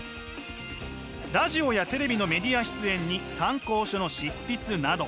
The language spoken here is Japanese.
ラジオやテレビのメディア出演に参考書の執筆など。